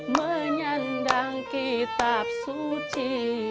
menyandang kitab suci